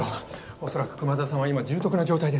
おそらく熊沢さんは今重篤な状態です。